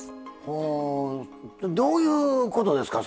ほどういうことですか？